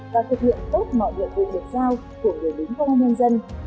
và thực hiện tốt mọi nhiệm vụ được giao của người lính công an nhân dân